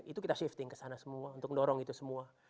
itu kita shifting ke sana semua untuk dorong itu semua